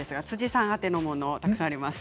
辻さん宛てのものたくさんあります。